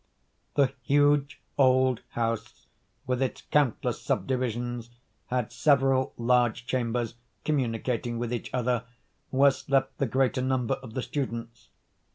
The huge old house, with its countless subdivisions, had several large chambers communicating with each other, where slept the greater number of the students.